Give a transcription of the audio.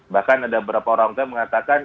bahkan ada beberapa orang tua yang mengatakan